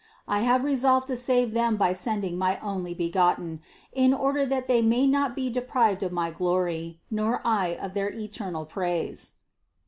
I have resolved to save them by send ing my Onlybegotten, in order that they may not be de prived of my glory, nor I of their eternal praise."